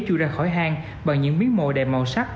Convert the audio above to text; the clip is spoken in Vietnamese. chui ra khỏi hàng bằng những miếng mồi đẹp màu sắc